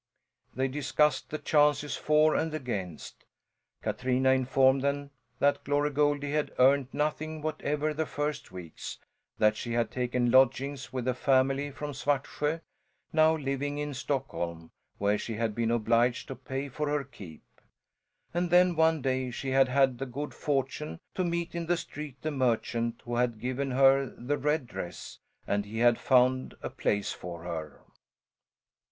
They discussed the chances for and against. Katrina informed them that Glory Goldie had earned nothing whatever the first weeks, that she had taken lodgings with a family from Svartsjö, now living in Stockholm, where she had been obliged to pay for her keep. And then one day she had had the good fortune to meet in the street the merchant who had given her the red dress, and he had found a place for her.